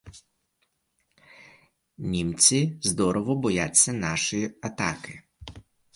Німці здорово бояться нашої атаки.